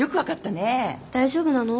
大丈夫なの？